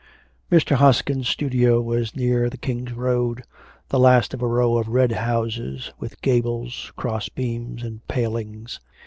Mr. Hoskin's studio was near the King's Road, the last of a row of red houses, with gables, cross beams, and palings.